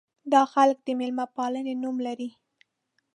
دا خلک د مېلمه پالنې نوم لري.